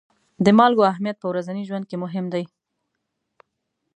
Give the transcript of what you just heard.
د مالګو اهمیت په ورځني ژوند کې مهم دی.